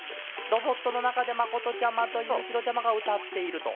ロボットのなかでまことちゃまとゆういちろうちゃまがうたっていると。